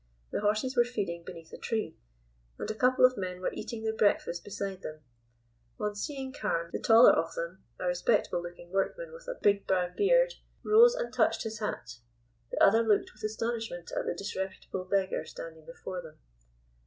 The horses were feeding beneath a tree, and a couple of men were eating their breakfast beside them. On seeing Carne, the taller of the pair a respectable looking workman, with a big brown beard rose and touched his hat. The other looked with astonishment at the disreputable beggar standing before them.